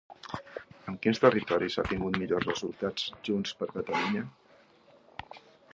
En quins territoris ha tingut millors resultats Junts per Catalunya?